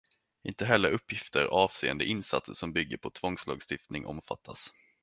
Inte heller uppgifter avseende insatser som bygger på tvångslagstiftning omfattas.